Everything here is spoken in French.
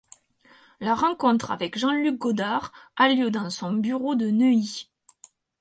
La rencontre avec Jean Luc Godard a lieu dans son bureau de Neuilly.